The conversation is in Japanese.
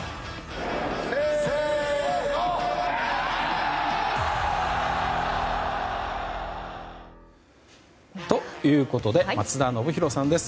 熱男！ということで松田宣浩さんです。